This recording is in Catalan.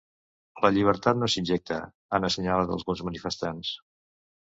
“La llibertat no s’injecta”, han assenyalat alguns manifestants.